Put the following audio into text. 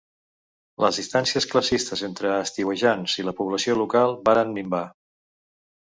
Les distàncies classistes entre estiuejants i la població local varen minvar.